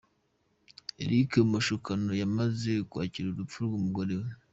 Eric Mashukano yamaze kwakira urupfu rw'umugore we.